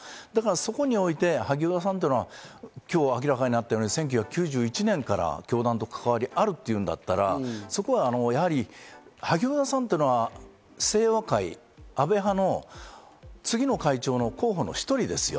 そこにおいて萩生田さんというのは、今日明らかになったように、１９９１年から教団と関わりがあるというんだったら、萩生田さんというのは清和会・安倍派の次の会長の候補の１人です。